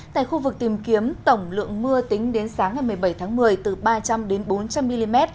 tại khu vực tìm kiếm tổng lượng mưa tính đến sáng ngày một mươi bảy tháng một mươi từ ba trăm linh bốn trăm linh mm